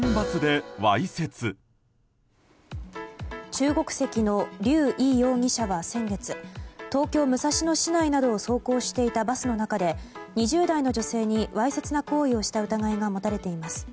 中国籍のリュウ・イ容疑者は先月東京・武蔵野市内などを走行していたバスの中で２０代の女性にわいせつな行為をした疑いが持たれています。